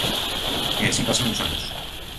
E así pasan os anos.